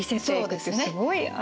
そうですね。